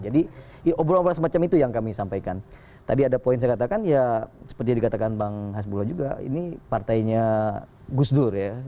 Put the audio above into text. jadi ya obrolan semacam itu yang kami sampaikan tadi ada poin saya katakan ya seperti yang dikatakan bang hasbullah juga ini partainya gusdur ya